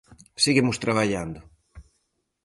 Seguimos traballando.